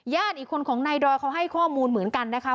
อีกคนของนายดอยเขาให้ข้อมูลเหมือนกันนะคะ